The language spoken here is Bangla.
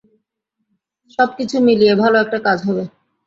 সবকিছু মিলিয়ে ভালো একটা কাজ হবে।